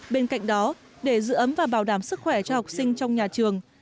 bên cạnh đó để giữ ấm và bảo đảm sức khỏe cho học sinh trong nhà trường